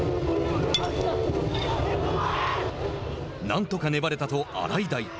なんとか粘れたと洗平。